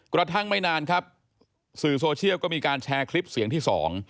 กระทั่งไม่นานครับสื่อโซเชียลก็มีการแชร์คลิปเสียงที่สอง